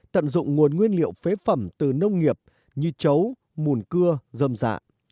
tận dụng nguồn nguyên liệu phế phẩm từ nông nghiệp như chấu mùn cưa dơm dạ